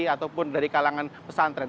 ataupun dari kalangan pesantren